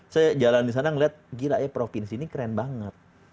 saya jalan di sana ngeliat gila ya provinsi ini keren banget